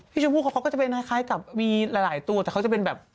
ชมพู่เขาก็จะเป็นคล้ายกับมีหลายตัวแต่เขาจะเป็นแบบ